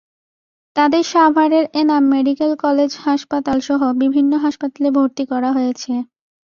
তাঁদের সাভারের Enam medical college হাসপাতালসহ বিভিন্ন হাসপাতালে ভর্তি করা হয়েছে।